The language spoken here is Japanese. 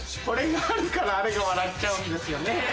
これがあるからあれが笑っちゃうんですよね。